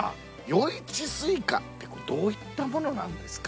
与一西瓜ってどういったものなんですか？